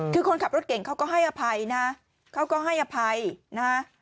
คือคนขับรถเก่งเขาก็ให้อภัยนะเขาก็ให้อภัยนะฮะ